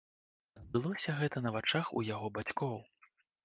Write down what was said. Адбылося гэта на вачах у яго бацькоў.